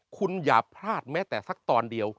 คุณอย่าพลาดแม้แต่สักตอนเดียว